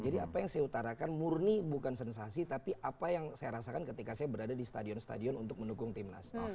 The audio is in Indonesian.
jadi apa yang saya utarakan murni bukan sensasi tapi apa yang saya rasakan ketika saya berada di stadion stadion untuk mendukung timnas